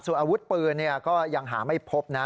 ส่วนอาวุธปืนก็ยังหาไม่พบนะ